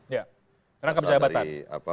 ya rangkap jabatan